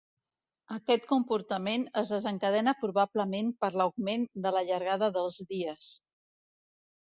Aquest comportament es desencadena probablement per l'augment de la llargada dels dies.